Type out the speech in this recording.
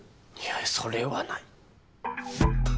いやそれはない。